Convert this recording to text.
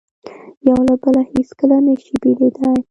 یو له بله هیڅکله نه شي بېلېدای.